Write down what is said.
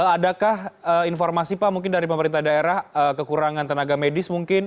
adakah informasi pak mungkin dari pemerintah daerah kekurangan tenaga medis mungkin